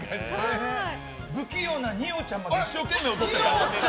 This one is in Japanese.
不器用な二葉ちゃんまで一生懸命踊ってた。